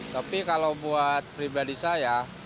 tapi kalau buat pribadi saya